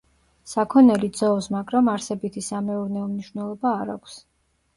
საქონელი ძოვს, მაგრამ არსებითი სამეურნეო მნიშვნელობა არ აქვს.